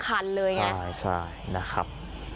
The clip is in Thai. บรรทุกวันลงไปทั้งครั้งเลยไง